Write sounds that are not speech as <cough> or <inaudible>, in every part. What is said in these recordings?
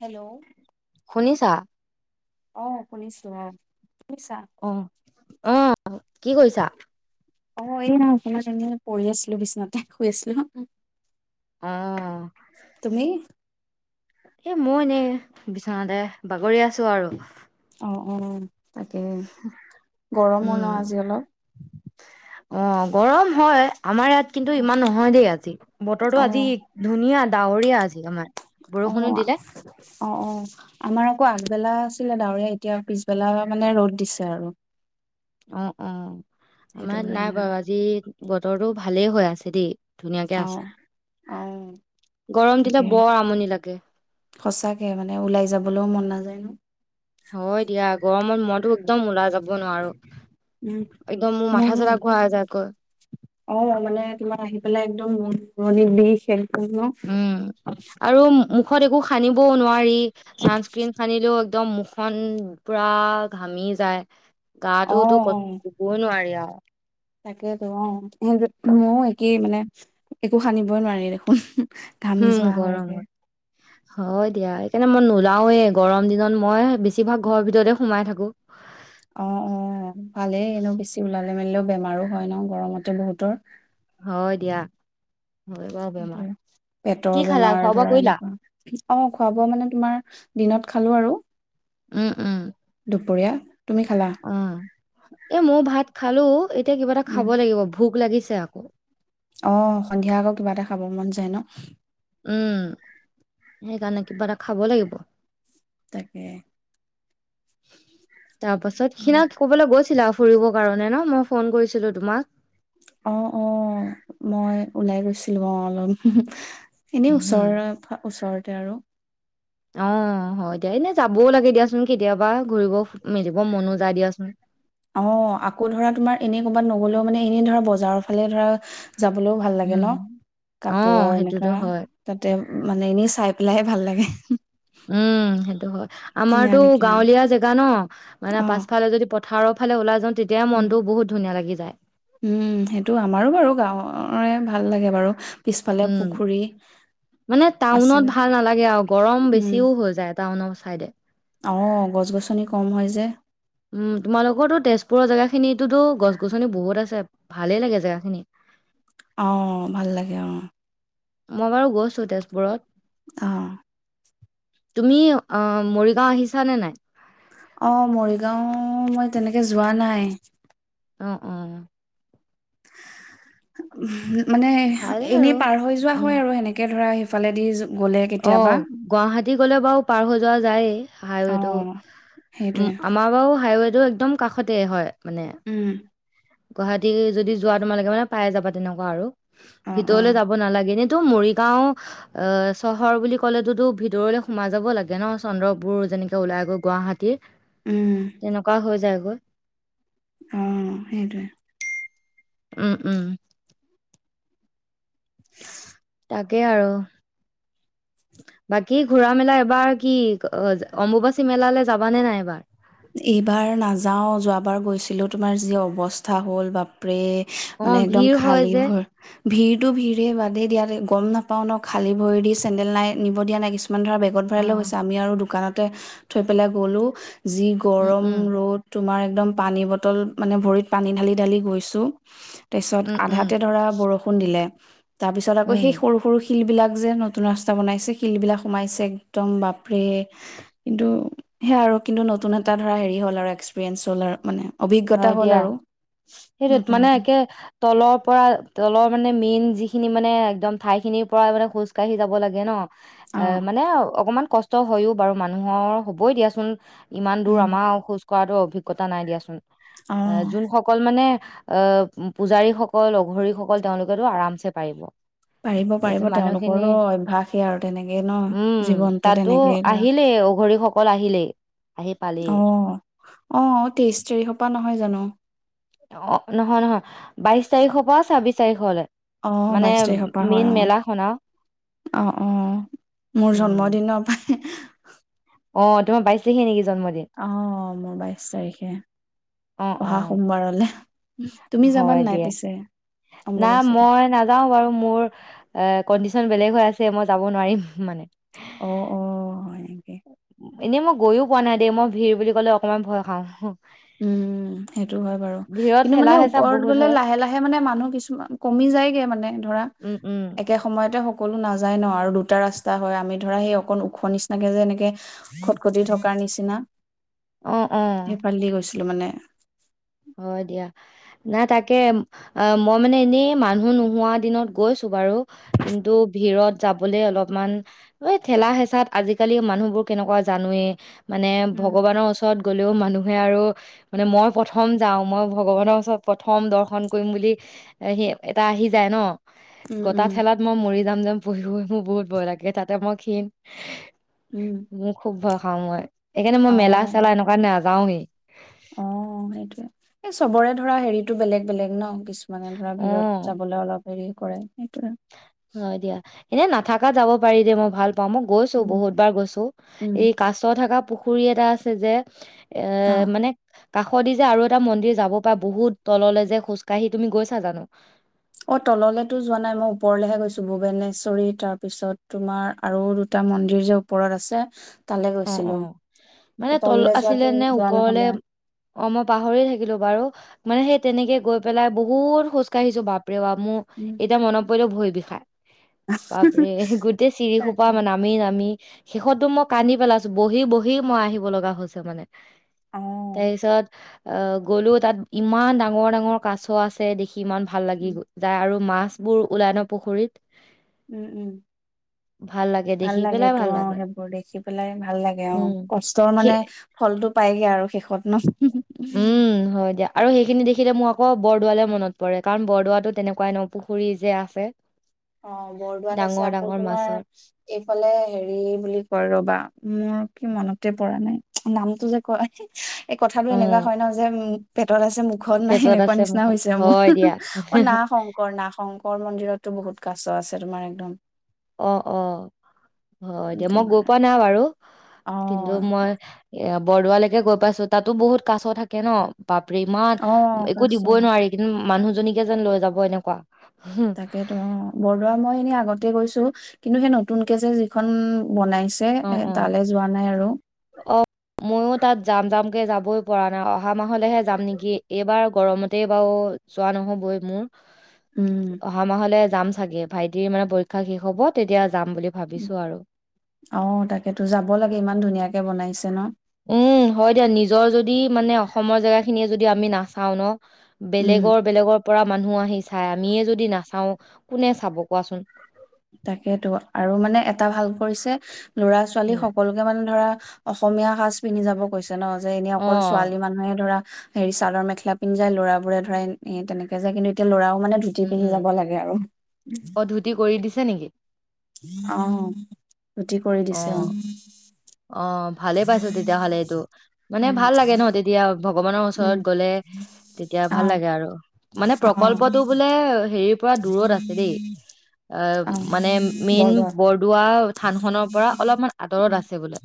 Hello শুনিছা। অ 'শুনিছো অ' শুনিছা। অ', অ 'কি কৰিছা? অ' এই নহ অসমত এনে পঢ়ি আছিলো বিচনাতে শুই আছিলো। অ তুমি 'এই মই এনেই। বিছনাতে বাগৰি আছো আৰু। অ' অ ' তাকে গৰমো ন উম, আজি অলপ। অ' গৰম হয়। আমাৰ ইয়াত কিন্তু ইমান নহয় দেই আজি বতৰটো অ আজি ধুনীয়া ডাৱৰীয়া। আজি আমাৰ। বৰষুণো অ'- দিলে অ '-অ আমাৰ আকৌ আগ পিছবেলা আছিলে ডাৱৰীয়া এতিয়া পিছবেলা মানে ৰ'দ দিছে আৰু। অ'- অ' সেইটো আমাৰ নাই কাৰণে আৰু বাৰু আজি বতৰটো ভাল। ভালেই হৈ আছে দেই ধুনীয়াকে অ আছে। অ গৰম দিলে তাকে বৰ আমনি লাগে। সচাকে মানে ওলাই যাবলৈও মন নাযায়। উ হয় দিয়া গৰমত মনতো। একদম ওলাই যাব। দ নোৱাৰো উম একদম মোৰ মাথা চাথা ঘুৰাই যায় গৈ। দ মোৰ বিষে। উম আৰু। মুখত একো। সানিবও নোৱাৰি চানস্ক্ৰীণ সানিলেও। একদম মুখন পুৰা ঘামি যায়। অ গাতোতো ক ক'বই নোৱাৰি আৰু। অ। তাকেইেতো অ স ময়ো একেই মানে একো সানিবই নোৱাৰি দেখোন। ঘামি উম যোৱা হয়গে। গৰমত হয় দিয়া সেইকাৰণে মই নোলাওৱে গৰম দিনত মই। বেছভাগ ঘৰ ভিততে সোমাই থাকো। হয়। অ অ ভালেই এনেও বেছি ওলালে মেলিলেও বেমাৰো হয় ন গৰমতে বহুতৰ। হয় দিয়া। হয় বাৰ বেমাৰ সেইটোৱে। <unintelligible> পেটৰ কি খালা বেমাৰ খোৱা বোৱা ধৰা কৰিলা এনেকুৱা অ খোৱা বোৱা মানে তোমাৰ দিনত খালো আৰু উম উম দুপৰীয়া তুমি খালা অ এ মই ভাত খালো এতিয়া কিবা এটা খাব উম লাগিব ভোক লাগিছে আকৌ <unintelligible> অ সন্ধিয়া আকৌ কিবা এটা খাব মন যায় ন উম সেইকাৰণে কিবা এটা খাব লাগিব তাকে <inaudible> তাৰ পাছত সেই ক'বলৈ গৈছিলা ফুৰিবৰ কাৰণে ন মই ফোন কৰিছিলো তোমাক অ অ মই ওলাই গৈছিলো অ অলপ এনেই উহু, ওচৰৰ ওচৰত তে আৰু অ হয় দিয়া এনেই যাবও লাগে দিয়াচোন কেতিয়াবা ঘূৰিব মেলিব মনো যায় দিয়াচোন অ আকৌ ধৰা তোমাৰ এনেই ক'বাত নগলেও মানে এনে ধৰা বজাৰৰ ফালে ধৰা যাবলৈও ভাল লাগে উম, ন অ, কাপোৰৰ এনেকা সেইটোতো হয়। তাতে মানে এনেই চাই লাই ভাল লাগে উম সেইটো হয় কিনা আমাৰতো নিকিনা গাঁৱলীয়া জেগা ন মানে অ পাছফালে যদি থাৰৰ ফালে ওলাই <unintelligible> বহুত ধুনীয়া লাগি যায়। উম সেইটো আমাৰো বাৰু গাঁৱৰ <unintelligible> <unintelligible> ভাল লাগে বাৰু। পিছফালে উম। পুখুৰী মানে আছে টাউনত ভাল নালাগে আৰু গৰম উম বেছিও হৈ যায় টাউনৰ চাইডে। অ গছ গছনি কম হয় যে। উম। তোমালোকৰ তো তেজপুৰৰ জেগা খিনোততো গছ গছনি বহুত আছে। ভালেই লাগে জেগাখিনি। অঁ। ভাল লাগে অঁ। মই বাৰু গৈছো তেজপুৰত। অহ। তুমি আ - মৰিগাঁও আহিছা নে নাই? অ'। মৰিগাঁও মই তেনেকে যোৱা নাই। আহ', - অ', উম', মানে ভাল এনেই আৰু পাৰ হৈ যোৱা উম হয় আৰু সেনেকৈ ধৰা। সেইফালেদি <unintelligible> কেতিয়াবা অ', গুৱাহাটী তি গ'লে বাৰু পাৰ হৈ যোৱা যায়েই। অ হাইৱেটো সেইটোৱে উ', আম বও হাইৱে এইটো একদম কাষতে হয়। মানে উম', গুৱাহাটী যদি যোৱা তোমালোকে মানে পাই যাবা তেনেকুৱা আৰু অ অ ভিতৰলে যাব নালাগে নে। এইটো মৰিগাঁও অ', চহৰ বুলি ক'লেতোতো ভিতৰলে সোমাই যাব লাগে ন চন্দ্ৰপুৰ যেনেকে ওলাই গৈ গুৱাহাটী। উম তেনেকুৱা হৈ যায়। <inaudible> অ ', সেইটোৱে উম ', - উম', <inaudible> তাকে আৰু বাকী ঘুৰা মেলা এবাৰ কি অম্বুবাচী মেলালৈ যাবানে নাই এবাৰ? এইবাৰ নাযাও যোৱাবাৰ গৈছিলো তোমাৰ যি অৱস্থা হল বাপৰে। অ মানে একদম ভিৰ হয় খালী যে ভৰি ভিৰটো ভিৰে বাদে দিয়া গম নাপাও ন খালী ভৰি দি চেন্দেল নাই নিব দিয়া নাই কিছু কিছমান ধৰা বেগত অ ভৰাইছে আমি আৰু দোকানত তে থৈ পেলাই গ'লো। যি উম গৰম উম ৰ'দ তোমাৰ। একদম পানী বটল মানে ভৰিত পানী ঢালি - ঢালি গৈছো। তাৰপিছত উম উম আধাতে ধৰা বৰষুণ দিলে। তাৰ পিছত আকৌ উম, সেই সৰু- সৰু শিল বিলাক যে নতুন ৰাস্তা বনাইছে শিল বিলাক সোমাইছে এক্দম বাপৰেয়ে কিন্তু সেয়া আৰু কিন্তু নতুন এটা ধৰা হেৰি হ'ল আৰু এক্সপেৰিয়েঞ্চ হ'ল আৰু মানে অভিজ্ঞতা হয় হ'ল দিয়া আৰু সেইটোত নতুন মানে এটা একে তলৰ পৰা তলৰ মানে মেইন যিখিনি মানে একদম ঠাই খিনিৰ পৰা মানে খোজ কাঢ়ি যাব লাগে ন অ এ মানে অকমান কষ্ট হয়ও বাৰু মানুহৰ হ'বই দিয়াচোন ইমান দূৰ উম আমাৰ খোজ কৰাটো অভিজ্ঞতা নাই দিয়াচোন অ যোনসকল মানে। অ পূজাৰীসকল এঘৰীসকল তেওঁলোকেতো আৰামছে পাৰিব পাৰিব পাৰিব তাৰপিছত মানুহখিনি তেওঁলোকৰো অভস্যখআৰু তেনেকেই ন উম, জীৱনতটো তাতো তেনেকেই ধৰা আহিলেই অঘৰীসকল আহিলেই। আহি পালেই। আহ আহ তেইশ তাৰিখ। পা নহয় জানো। অ নহয় নহয় বাইশ তাৰিখৰ পৰা ছাব্বিশ তাৰিখলৈ অ'হ বাইশ তাৰিখৰ পৰা হয়, আও অ', অ'হ অ', ‌ মোৰ উম জন্মদিনৰ পৰা অ' তোমাৰ বাইশ তাৰিখে নেকি? জন্মদিন অ মোৰ বাইশ তাৰিখে। ‌ অ' অহা অ' সোমবাৰলৈ। ‌ হয় দিয়া না অম্বুবাচীলে মই নাযাও বাৰু মোৰ, এ কণ্ডিছন বেলেগ হৈ আছে, মই যাব নোৱাৰিম মানে। অ' অ' হয়! থিকে এনেই মই গৈয়ও পোৱা নাই দেই। মই ভিৰ বুলি ক'লে, অকণমান ভয় খাওঁ। উম সেইটো হয় বাৰু। ভিৰত কিন্তু ঠেলা মানে হেঁচা ওপৰত বহুত গ'লে হয় লাহে, লাহে, মানে মানুহ কিছুমান কমি যায়গে মানে ধৰা, উম উম একে সময়তে সকলো নাযায় ন আৰু দুটা ৰাস্তা হয়। আমি ধৰা সেই অকন ওখ নিচিনাকে যে এনেকে খট-খটি থকাৰ নিচিনা উ, উম! গৈছিলোঁ মানে। হয় দিয়া, নাই তাকে, মই মানে এনেই মানুহ নোহোৱা দিনত গৈছো বাৰু, কিন্তু ভিৰত যাবলে অলপমান এই ঠেলা হেঁচাত আজিকালি মানুহবোৰ কেনেকুৱা জানোৱেই। মানে উম, ভগৱানৰ ওচৰত গ'লেও মানুহবোৰ আৰু মই প্ৰথম প্ৰথম যাও, মই ভগৱানৰ ওচৰত প্ৰথম দৰ্শন কৰিম বুলি, এ, হেৰি এটা আহি যায়, ন। উম, গটা উম, ঠেলাত মই মৰি দাম দাম পঢ়িব। ‌ মোৰ বহুত ভয় লাগে, তাতে মই <unintelligible> উম, মোৰ খুব ভ সময় এইকাৰণে মই মেলা অ', চেলা এনেকোৱা না যাওঁৱেই। অ সেইটোয়ে, এই চবৰে ধৰা হেৰিটো বেলেগ বেলেগ ন, কিছু মানে ধৰা ভিৰত যাবলে অলপ হেৰি কৰে সেইটোয়ে। অ' দিয়া। এনে নাথাকাত যাব পাৰি দেই মই ভাল পাও, মই গৈছোঁ উম, বহুত বাৰ গৈছোঁ। উম, এই কাছ থাকা পুখুৰী এটা আছে যে এ অ'। মানে কাষৰদি যে আৰু এটা মন্দিৰ যাব পাৰে, বহুত তললৈ যে খোজকাঢ়ি তুমি গৈছা জানোঁ? অ' তললেতো যোৱা নাই, মই ওপৰলেহে গৈছোঁ। ভূবেনেশ্বৰী তাৰ পিছত তোমাৰ, আৰু দুটা মন্দিৰ যে ওপৰত আছে। তালে অ' গৈছিলো অ' এই মানে তল তললে আছিলে যোৱাটো নে যোৱা ওপৰলে নহলে অ' মই পাহৰি থাকিলো বাৰু। মানে সেই তেনেকে গৈ পেলাই বহুত খোজ কাঢ়িছো বাপ। ৰে বাপ উম এইটা মন। পৰিলোঁ ভৰি বিষায়। বাপ ৰে গোটেই চিৰিসোপা তাকে মানে নামি নামি শেষততো মই কান্দি পেলাইছোঁ বহি বহি মই আহিব লগা হৈছে মানে। অ তাৰপিছত। অ' গ'লো তাত ইমান ডাঙৰ ডাঙৰ কাছ আছে দেখি কিমান ভাল লাগি উম যায় আৰু মাছ। বোৰ ওলা ন পুখুৰীত। উম উম লাগে ভাল দেখি লাগে পেলাই তো ভাল অ' লাগে সেইবোৰ দেখিব। পেলাই ভাল লাগে অ' উম কষ্টৰ মানে সেই ফল। পাইগে আৰু শেষত। ন উম হয় দিয়া আৰু সেইখিনি দেখিলে মোক। আকৌ বৰদোৱালে মনত পৰে কাৰণ বৰদোৱাাতো তেনেকুৱাই ন পুখুৰী যে আছে। অ' বৰদোৱাত আছে ডাঙৰ আকৌ ডাঙৰ তোমাৰ মাছৰ এইফালে হেৰি বুলি কয় ৰ'বা। মোৰ কি মনতে পৰা নাই নামটো যে কয়। এই কথাটো অ এনেকুৱা হয় ন যে পেটত আছে মুখত নাই পেজত এনেকুৱা আছে নিচিনা মুখত হৈছে মোৰ হয় দিয়া অ না শংকৰ নাগ শংকৰ মন্দিৰতটো বহুত। কাছ আছে তোমাৰ একদম, অ'-অ' হয়', দিয়া মই তোমাৰ গৈ পোৱা নাই বাৰু, অ কিন্তু মই এ', বৰদোৱালৈকে গৈ পাইছো, তাতো বহুত কাছ থাকে ন', বাপৰে ইমান অ একো কাছ দিবই নোৱাৰি কিন্তু মানুহ, দুজনীকে যেন লৈ যাব এনেকুৱা, তাকেতো অ', বৰদোৱা মই এনেই আগত, গৈছো কিন্তু সেই নতুনকে যে', যিখন, বনাইছে অ অ তালৈ যোৱা নাই আৰু, জাম -জামকৈ যাবই পৰা নাই অহা মাহলৈহে যাম নেকি, এইবাৰ গৰমতেই বাৰু যোৱা নহ'বই মোৰ। উম অহা মাহলে যাম চাগে। চাগে ভাইটিৰ মানে পৰীক্ষা শেষ হ'ব তেতিয়া, যাম বুলি ভাবিছো আৰু, অ', তাকেতো যাব লাগে ইমান ধুনীয়াকে বনাইছে ন', উম হয় দিয়া নিজৰ যদি মানে অসমৰ জেগাখিনিয়ে যদি আমি নাচাওঁ ন', উম বেলেগৰ -বেলেগৰ পৰা মানুহ আহি চাই আমিয়ে যদি নাচাও কোনে চাব কোৱাচোন? তাকেইতো আৰু মানে এটা ভাল কৰিছে, ল'ৰা -ছোৱালী উম সকলোকে মানে ধৰা, অসমীয়া- সাজ-পিন্ধি যাব কৈছে। যেন, যে ', এনে অ', অকল ছোৱালী মানুহে ধৰা, হেৰি চাদৰ -মেখেলা পিন্ধি যায়, ল'ৰাবোৰে ধৰা এ', তেনেকে যায় কিন্তু এতিয়া ল'ৰা মানে ধুতি- উম, পিন্ধি উম, যাব লাগে আৰু, অ', ধুতি কৰি দিছে নেকি? আহ', ধুতি কৰি দিছে অ', অ', অ', ভালে পাইছো তেতিয়াহ'লে এইটো, মানে উম ভাল লাগে ন', তেতিয়া ভগৱানৰ উম ওচৰত গ'লে তেতিয়া অ ভাল লাগে, আৰু মানে অ প্ৰকল্পটো বোলে, হেৰি', পোৰা দূৰত আছে দেই, অ ', মানে মেইন বৰদোৱা, থানখনৰ পৰা অলপমান আঁতৰত আছে বোলে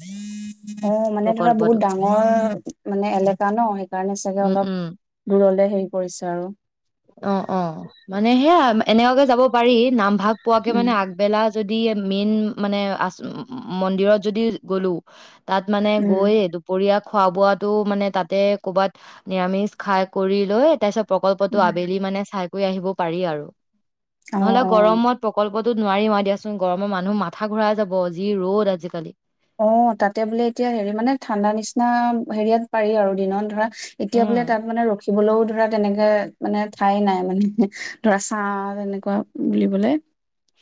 অ মানে ধৰা বহুত প্ৰকল্পটো, ডাঙৰ মানে এলেকা ন সেইকাৰণে চাগে উম, অলপ উম। ল'লে সেই অ অ মানে সেয়া, এনেকুৱাকে যাব পাৰি নাম ভাগ পোৱাকে উম মানে আগবেলা যদি মেইন মানে মন্দিৰত যদি গলো, তাত মানে গৈ উম দুপৰীয়া খোৱা বোৱাটো মানে তাতে কৰবাত নিৰামিষ খাই কৰি লৈ তাৰপিছত প্ৰকল্পটো আবেলি মানে চাই কৈ আহিব পাৰি আৰু অ নহ'লে অ গৰমত প্ৰকল্প, টো নোৱাৰিম আৰু দিয়াচোন গৰমৰ মানুহ মাথা ঘূৰাই যাব যি ৰ'দ আজিকালি অ তাতে বোলে এতিয়া হেৰি মানে ঠাণ্ডা নিচিনা হেৰিয়াত পাৰি আৰু দিনত ধৰা, এতিয়া বোলে উম তাত মানে ৰখিবলৈও ধৰা তেনেকে মানে ঠাই নাই মানে ধৰা ছা তেনেকুৱা বুলিবলে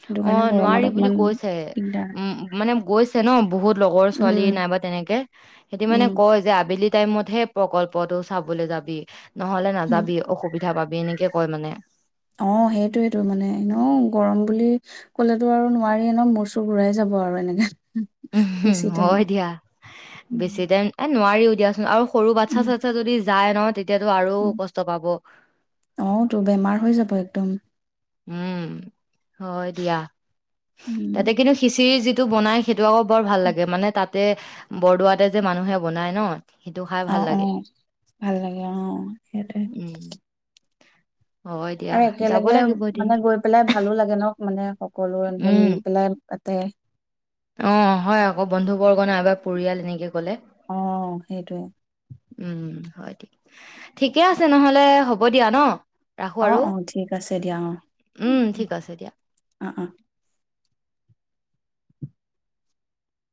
সেইটো অ কাৰণে গৰমত নোৱাৰি বুলি অকমান কৈছে দিগদাৰ উম মানে গৈছে ন বহুত লগৰ ছোৱালী উম, নাইবা তেনেকে সিহতি উম, মানে কয় যে আবেলিত টাইমত হে প্ৰকল্পটো চাবলৈ যাবি নহলে উম। নাযাবি অসুবিধা পিঠা পাবি এনেকে কয় মানে অ সেইটোয়েইটো মানে ন গৰম বুলি কলেতো আৰু নোৱাৰিয়ে ন মূৰ চুৰ ঘূৰাই যাব আৰু এনেকে উম বেছি টাইম। হয় দিয়া বেছি উম, টাইম নোৱাৰিও দিয়াচোন আৰু সৰু বাচ্ছা উম, চাচ্ছা যদি যায় ন তে অ তো বেমাৰ হৈ যাব একদম উম হয় দিয়া তাতে উম, কিন্তু খিচিৰি যি বনাই আকৌ বৰ ভাল উম। লাগে মানে তাত বৰদোৱাতে যে মানুহে বনাই ন সেইটো খাই অ ভাল অ লাগে ভাল লাগে অ সেইটোৱে উম হয় দিয়া আৰু যাব একেলগে লাগিব এদিন মানে গৈ পেলাই ভালো লাগে ন মানে সকলো এনেকে উম, মিলি পেলাই তাতে অ হয় আকৌ বন্ধুবৰ্গ ক নাইবা পৰিয়াল এনেকে ক'লে অ সেইটোৱে উম হয় ঠিক ঠিকে আছে নহলে হ'ব দিয়া ন ৰাখোঁ অ আৰু অ ঠিক আছে দিয়া উম, ঠিক আছে দিয়া। অ অ অ